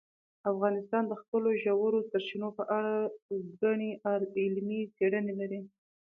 افغانستان د خپلو ژورو سرچینو په اړه ګڼې علمي څېړنې لري.